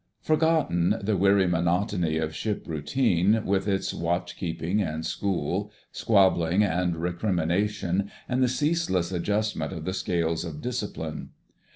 Forgotten the weary monotony of ship routine, with its watch keeping and school, squabbling and recrimination, and the ceaseless adjustment of the scales of discipline.